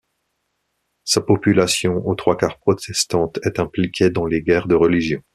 Sa population, aux trois quarts protestante, est impliquée dans les guerres de religion.